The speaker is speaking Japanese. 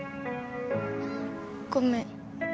ごめん。